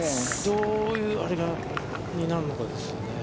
どういうあれになるのかですね。